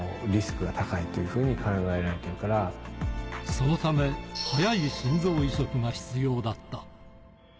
そのため早い心臓移植が必要だった。